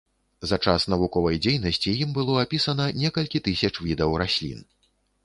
За час навуковай дзейнасці ім было апісана некалькі тысяч відаў раслін.